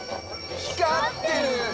光ってる！